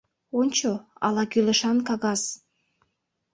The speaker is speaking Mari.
Ончо, ала кӱлешан кагаз.